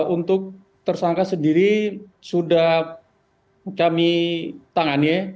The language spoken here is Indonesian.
untuk tersangka sendiri sudah kami tangani